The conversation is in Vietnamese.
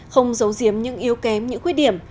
không giấu giếm những yếu kém những khuyết điểm